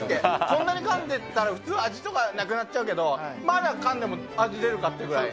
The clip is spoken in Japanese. こんなにかんでたら普通、味とかなくなっちゃうけど、まだかんでも味出るなっていうぐらい。